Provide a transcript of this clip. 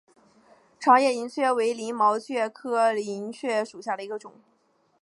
长叶黔蕨为鳞毛蕨科黔蕨属下的一个种。